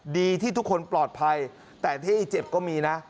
ดีที่ทุกคนปลอดภัยแต่ที่เจ็บก็มีนะ